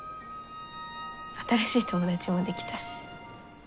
新しい友達もできたし。